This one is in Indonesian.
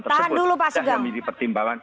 tahan dulu pak sugeng